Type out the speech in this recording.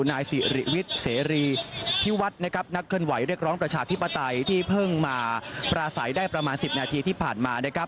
นายสิริวิทย์เสรีพิวัฒน์นะครับนักเคลื่อนไหวเรียกร้องประชาธิปไตยที่เพิ่งมาปราศัยได้ประมาณ๑๐นาทีที่ผ่านมานะครับ